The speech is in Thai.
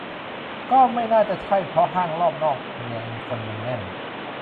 ก็ไม่น่าจะใช่เพราะห้างรอบนอกเมืองคนยังแน่น